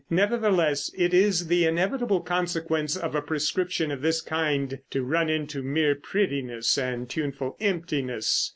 Nevertheless, it is the inevitable consequence of a prescription of this kind to run into mere prettiness and tuneful emptiness.